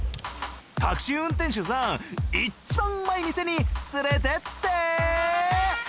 タクシー運転手さん一番うまい店に連れてって！